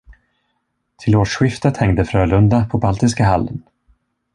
Till årsskiftet hängde Frölunda på Baltiska hallen.